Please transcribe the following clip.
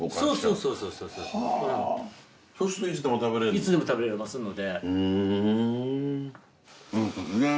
いつでも食べられますので。